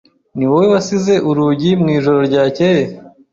Niwowe wasize urugi mwijoro ryakeye?